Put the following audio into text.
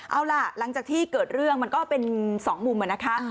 เอาล่ะหลังจากที่เกิดเรื่องมันก็เป็น๒มุมนะคะ